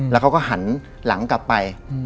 แล้วเขาก็หันหลังกลับไป